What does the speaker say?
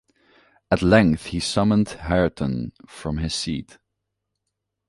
At length he summoned Hareton from his seat.